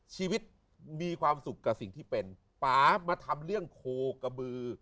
ชีวิตมีความสุขกับสิ่งที่เป็นป่ามาทำเรื่องโคกระบือ